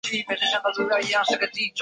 托里尼亚是巴西圣保罗州的一个市镇。